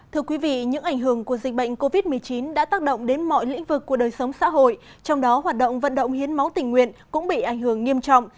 thưa quý vị những ảnh hưởng của dịch bệnh covid một mươi chín đã tác động đến mọi lĩnh vực của đời sống xã hội trong đó hoạt động vận động hiến máu tình nguyện cũng bị ảnh hưởng nghiêm trọng